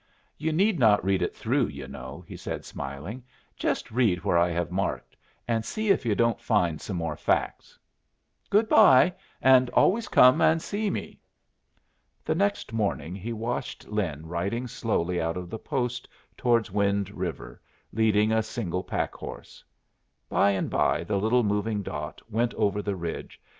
"You need not read it through, you know," he said, smiling; "just read where I have marked, and see if you don't find some more facts. Goodbye and always come and see me." The next morning he watched Lin riding slowly out of the post towards Wind River, leading a single pack horse. By and by the little moving dot went over the ridge.